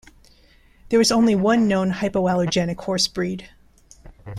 There is only one known hypoallergenic horse breed.